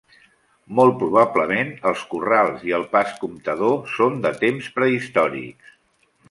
Molt probablement els corrals i el pas comptador són de temps prehistòrics.